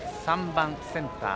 ３番、センター